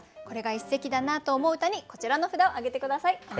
これが一席だなと思う歌にこちらの札を挙げて下さい。